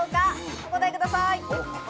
お答えください。